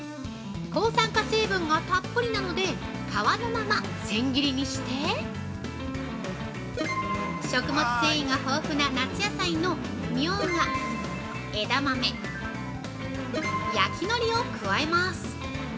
抗酸化成分がたっぷりなので、皮のまま千切りにして食物繊維が豊富な夏野菜のみょうが・枝豆・焼きのりを加えます！